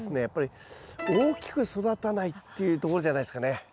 やっぱり大きく育たないっていうところじゃないですかね。